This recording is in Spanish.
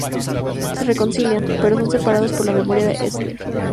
Se reconcilian, pero son separados por la memoria de Esther.